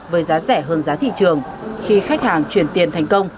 với giá rẻ hơn giá thị trường khi khách hàng chuyển tiền thành công